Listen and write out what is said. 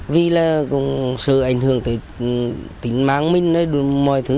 vì là cũng sợ ảnh hưởng tới tính mạng mình mọi thứ